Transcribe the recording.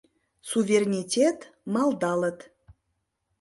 «Суверенитет» малдалыт.